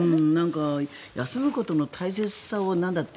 休むことの大切さをなんだって？